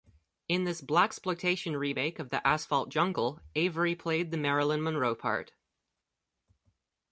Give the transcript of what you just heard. In this blaxploitation remake of "The Asphalt Jungle", Avery played the Marilyn Monroe part.